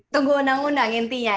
tunggu undang undang intinya